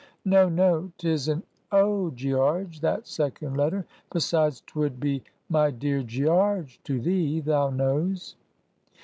"No, no. 'Tis an O, Gearge, that second letter. Besides, twould be My dear Gearge to thee, thou knows."